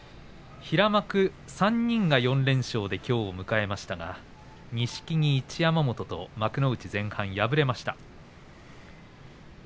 平幕３人が４連勝で、きょうを迎えましたが、錦木、一山本幕内前半で敗れました。